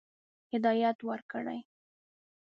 هدایت ورکړي.